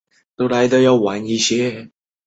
乡人认为他贤德建祠祭祀。